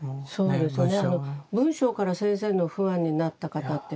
そうですね。